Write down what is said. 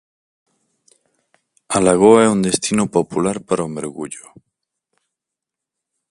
A lagoa é un destino popular para o mergullo.